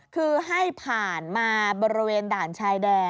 คือให้ผ่านมาบริเวณด่านชายแดน